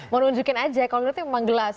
mau nunjukin aja kalau tidak memang gelas